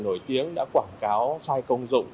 nổi tiếng đã quảng cáo sai công dụng